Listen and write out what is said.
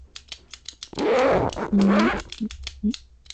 为东西主要通道。